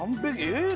えっ！